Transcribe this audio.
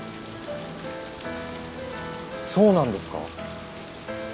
そうなんですか？